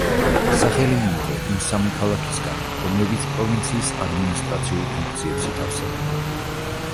სახელი მიიღო იმ სამი ქალაქისგან, რომლებიც პროვინციის ადმინისტრაციულ ფუნქციების ითავსებენ.